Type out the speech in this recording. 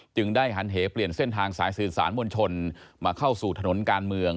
ได้หันเหเปลี่ยนเส้นทางสายสื่อสารมวลชนมาเข้าสู่ถนนการเมือง